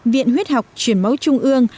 viện huyết học chuyển máu trung ương